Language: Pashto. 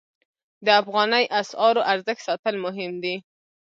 د افغانۍ اسعارو ارزښت ساتل مهم دي